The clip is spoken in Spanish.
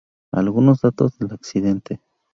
Algunos datos del accidente